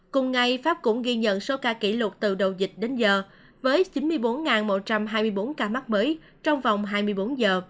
cùng ngày pháp cũng ghi nhận số ca kỷ lục từ đầu dịch đến giờ với chín mươi bốn một trăm hai mươi bốn ca mắc mới trong vòng hai mươi bốn giờ